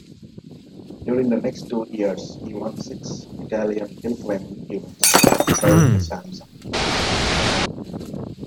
During the next two years he won six Italian hillclimbing events driving a Salmson.